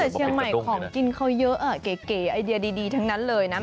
แต่เชียงใหม่ของกินเขาเยอะเก๋ไอเดียดีทั้งนั้นเลยนะ